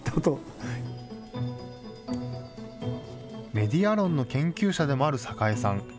メディア論の研究者でもある旺さん。